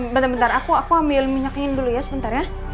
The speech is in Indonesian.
bentar bentar aku ambil minyakin dulu ya sebentar ya